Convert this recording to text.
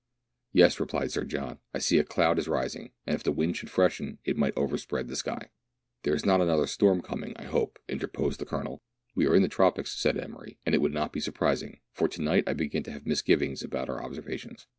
"Yes," replied Sir John, "I see a cloud is rising, and if the wind should freshen, it might overspread the sky." " There is not another storm coming, I hope," interposed the Colonel. "We are in the tropics," said Emery, "and it would not be surprising ; for to night I begin to have misgivings about our observations."